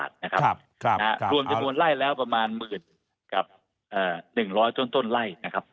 รวมจำนวนไล่แล้วประมาณหมื่นกับ๑๐๐ต้นไล่นะครับ